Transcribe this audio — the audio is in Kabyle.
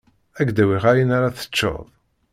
Ad k-d-awiɣ ayen ara teččeḍ.